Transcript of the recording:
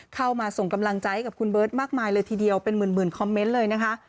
เข้ามาส่งกำลังใจให้กับคุณเบิร์ตมากมายเลยทีเดียวเป็นหมื่นคอมเมนต์เลยนะคะ